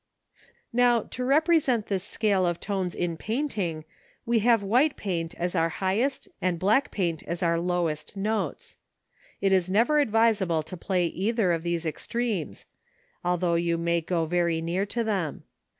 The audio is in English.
Now, to represent this scale of tones in painting we have white paint as our highest and black paint as our lowest notes. It is never advisable to play either of these extremes, although you may go very near to them.